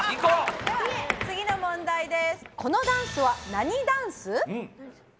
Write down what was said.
では次の問題です。